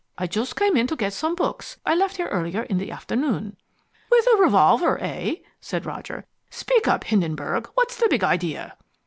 "I just came in to get some books I left here earlier in the afternoon." "With a revolver, eh?" said Roger. "Speak up, Hindenburg, what's the big idea?"